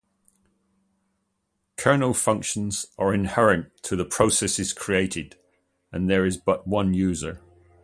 Kernel functions are inherent to the processes created, and there is but one user.